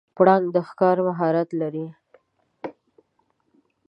پړانګ د ښکار مهارت لري.